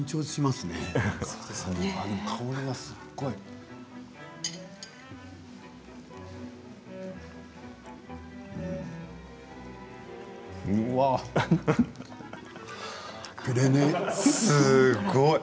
すーごい。